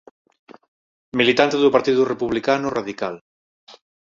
Militante do Partido Republicano Radical.